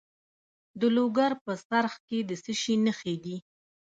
د لوګر په څرخ کې د څه شي نښې دي؟